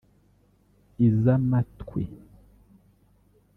iz’amatwi